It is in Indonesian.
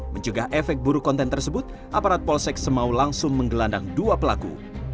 mencegah efek buruk konten tersebut aparat polsek semau langsung menggelandang dua pelaku